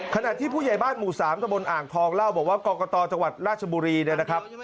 ขณะที่ผู้ใหญ่บ้านหมู่๓ตะบนอ่างทองเล่าบอกว่ากรกตจังหวัดราชบุรีเนี่ยนะครับ